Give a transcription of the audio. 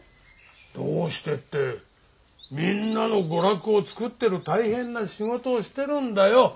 どうしてってみんなの娯楽を作ってる大変な仕事をしてるんだよ。